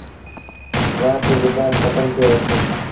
نا تا زبآن کتم ٿئي وهيسي۔